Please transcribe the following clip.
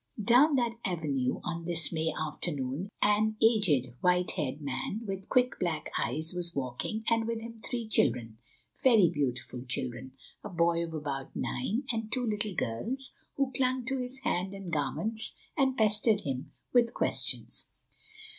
Down that avenue on this May afternoon an aged, white haired man, with quick black eyes, was walking, and with him three children—very beautiful children—a boy of about nine and two little girls, who clung to his hand and garments and pestered him with questions.